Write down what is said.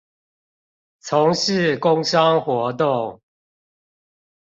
從事工商活動